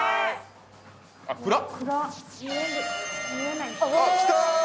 暗っ。来た！